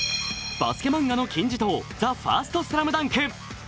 バスケ漫画の金字塔「ＴＨＥＦＩＲＳＴＳＬＡＭＤＡＮＫ」。